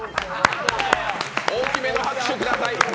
大きめの拍手をください。